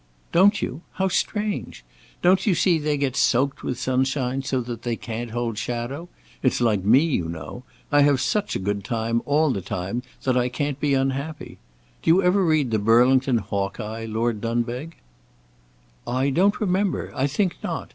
"Don't you? How strange! Don't you see, they get soaked with sunshine so that they can't hold shadow. It's like me, you know. I have such a good time all the time that I can't be unhappy. Do you ever read the Burlington Hawkeye, Lord Dunbeg?" "I don't remember; I think not.